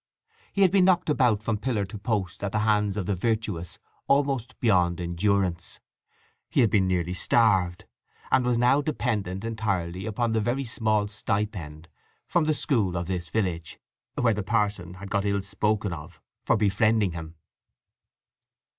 He had been knocked about from pillar to post at the hands of the virtuous almost beyond endurance; he had been nearly starved, and was now dependent entirely upon the very small stipend from the school of this village (where the parson had got ill spoken of for befriending him).